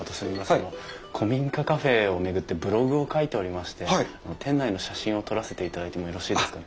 あの古民家カフェを巡ってブログを書いておりまして店内の写真を撮らせていただいてもよろしいですかね？